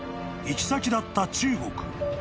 ［行き先だった中国］